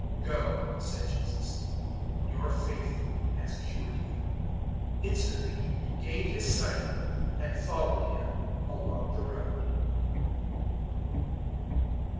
010:052 "Go," said Jesus, "your faith has cured you." Instantly he regained his sight, and followed Him along the road.